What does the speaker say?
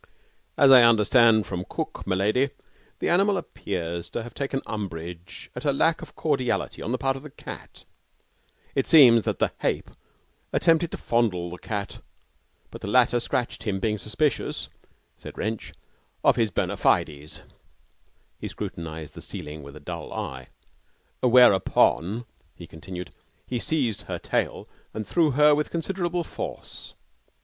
'As I understand from cook, m'lady, the animal appears to have taken umbrage at a lack of cordiality on the part of the cat. It seems that the hape attempted to fondle the cat, but the latter scratched him; being suspicious,' said Wrench, 'of his bona fides.' He scrutinized the ceiling with a dull eye. 'Whereupon,' he continued, 'he seized her tail and threw her with considerable force.